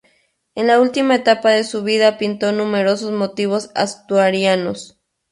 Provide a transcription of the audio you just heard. En la última etapa de su vida pintó numerosos motivos asturianos.